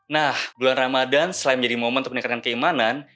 nah bulan ramadan selain menjadi momen untuk meningkatkan keimanan